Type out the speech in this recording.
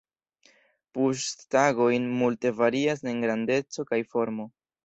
Puŝ-stangoj multe varias en grandeco kaj formo.